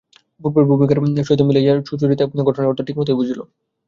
পূর্বের ভূমিকার সহিত মিলাইয়া লইয়া সুচরিতা এই ঘটনাটির অর্থ ঠিকমতই বুঝিল।